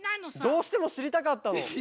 どうしてもしりたかったの。